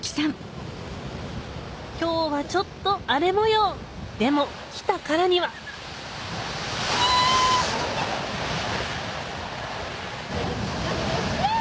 今日はちょっと荒れ模様でも来たからにはキャ！